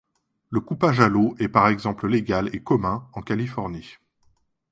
Le coupage à l'eau est par exemple légal et commun en Californie.